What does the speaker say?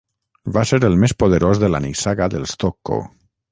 Va ser el més poderós de la nissaga dels Tocco.